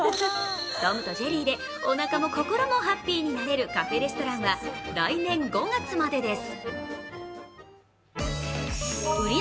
トムとジェリーでおなかも心もハッピーになれるカフェレストランは来年５月までです。